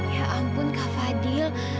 ya ampun kak fadil